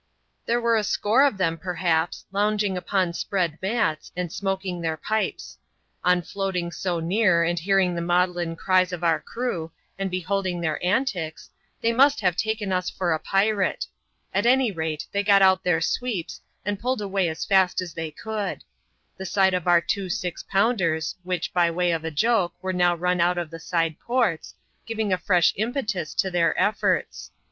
There were a score of them, perhaps, lounging upon spread mats, and smoking their pipes. On floating so near, and hear ing the maudlin cries of our crew, and beholding their antics, they must have taken us for a pirate ; at any rate, they got out their sweeps, and pulled away as fast as they could ; the sight of our two six pounders, which, by way of a joke, were now Tun out of the side ports, giving a fresh impetus to their efforts.